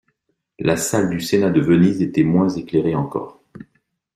La salle du sénat de Venise était moins éclairée encore.